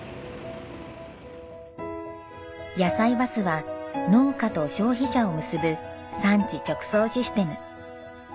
やさいバスは農家と消費者を結ぶ産地直送システム。